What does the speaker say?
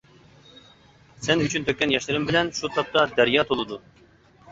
سەن ئۈچۈن تۆككەن ياشلىرىم بىلەن شۇ تاپتا دەريا تولىدۇ.